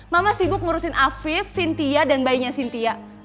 mama sibuk ngurusin afif cynthia dan bayinya sintia